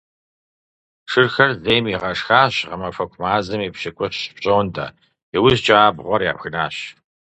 Шырхэр зейм игъэшхащ гъэмахуэку мазэм и пщыкӀущ пщӀондэ, иужькӀэ абгъуэр ябгынащ.